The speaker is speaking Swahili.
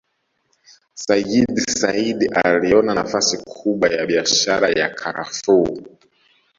Sayyid Said aliona nafasi kubwa ya biashara ya karafuu